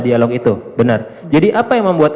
dialog itu benar jadi apa yang membuat